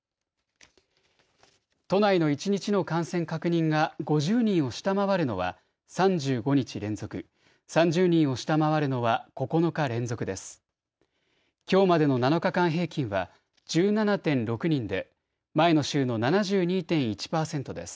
都内の一日の感染確認が５０人を下回るのは３５日連続、３０人を下回るのは９日連続です。